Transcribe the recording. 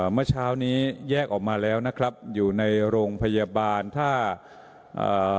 เมื่อเช้านี้แยกออกมาแล้วนะครับอยู่ในโรงพยาบาลถ้าอ่า